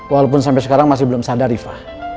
walaupun sampe sekarang masih belum sadar rifka